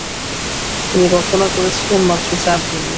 তিনি রচনা করেছিলেন মাত্র চারদিনে।